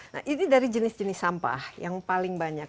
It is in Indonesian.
nah ini dari jenis jenis sampah yang paling banyak